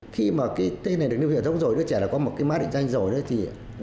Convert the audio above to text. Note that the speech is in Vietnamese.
khi mà cái này được nêu hệ thống rồi trẻ đã có một cái má định danh rồi